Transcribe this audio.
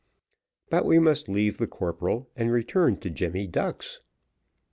But we must leave the corporal, and return to Jemmy Ducks.